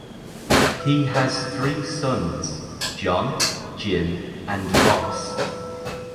He has three sons, John, Jim, and Ross.